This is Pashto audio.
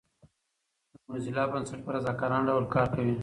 د موزیلا بنسټ په رضاکارانه ډول کار کوي.